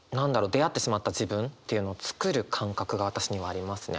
出会ってしまった自分っていうのを作る感覚が私にはありますね。